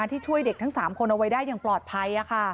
ที่ช่วยเด็กทั้ง๓คนเอาไว้ได้อย่างปลอดภัย